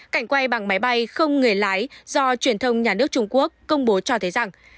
cảnh quay bằng máy bay không người lái do truyền thông nhà nước trung quốc công bố cho thấy rằng